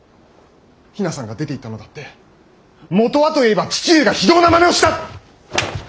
比奈さんが出ていったのだって元はといえば父上が非道なまねをした。